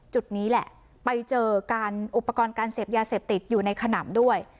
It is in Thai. จุดนี้แหละไปเจอการอุปกรณ์การเสพยาเสพติดอยู่ในขนำด้วย